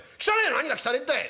「何が汚えんだい。